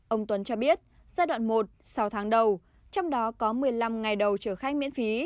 ông tuấn cho biết giai đoạn một sau tháng đầu trong đó có một mươi năm ngày đầu chở khách miễn phí